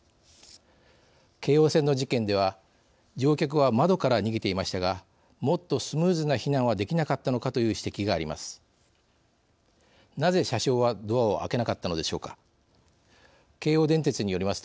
京王線の事件では乗客は窓から逃げていましたがもっとスムーズな避難はできなかったのかという指摘があります。